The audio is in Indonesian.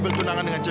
aku gak sudi